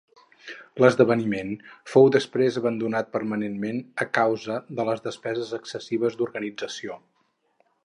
L'esdeveniment fou després abandonat permanentment a causa de les despeses excessives d'organització.